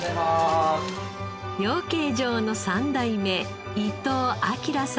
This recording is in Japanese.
養鶏場の３代目伊藤彰さんです。